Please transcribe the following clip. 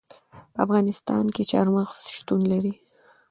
په افغانستان کې چار مغز شتون لري.